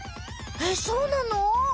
えそうなの？